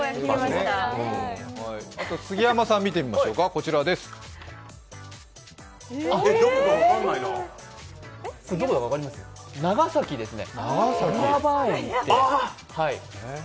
杉山さん、見てみましょうか、こちらです長崎ですね。